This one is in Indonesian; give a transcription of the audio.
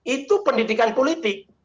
itu pendidikan politik